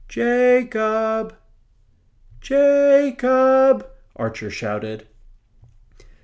"Ja cob! Ja cob!" Archer shouted.